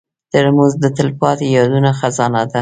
ترموز د تلپاتې یادونو خزانه ده.